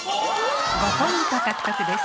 ５ポイント獲得です。